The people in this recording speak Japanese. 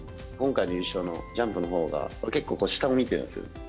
今回の優勝のジャンプのほうが結構下を見てるんですよ。